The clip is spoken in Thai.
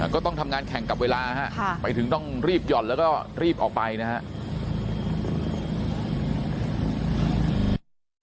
ก็ต้องทำงานแข่งกับเวลาฮะไปถึงต้องรีบหย่อนแล้วก็รีบออกไปนะครับ